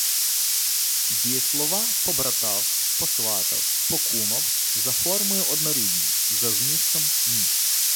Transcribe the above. Дієслова "побратав, посватав, покумав" за формою — однорідні, за змістом — ні.